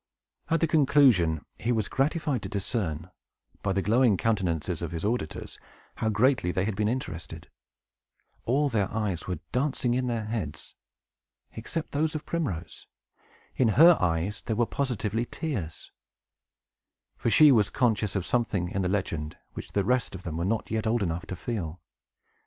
At the conclusion, he was gratified to discern, by the glowing countenances of his auditors, how greatly they had been interested. All their eyes were dancing in their heads, except those of Primrose. In her eyes there were positively tears; for she was conscious of something in the legend which the rest of them were not yet old enough to feel.